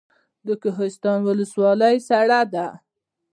د کوهستان ولسوالۍ سړه ده